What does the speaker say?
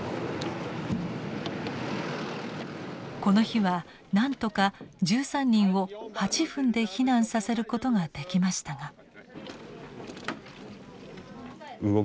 この日はなんとか１３人を８分で避難させることができましたが。